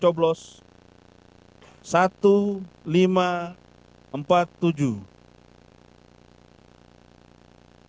jumlah surat suara yang digunakan